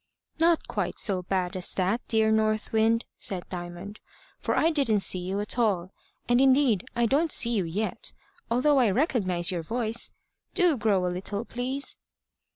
"Not quite so bad as that, dear North Wind," said Diamond, "for I didn't see you at all, and indeed I don't see you yet, although I recognise your voice. Do grow a little, please."